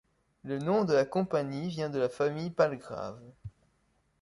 Le nom de la compagnie vient de la famille Palgrave.